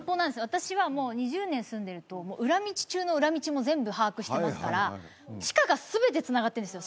私はもう２０年住んでると裏道中の裏道も全部把握してますから地下が全てつながってるんですよ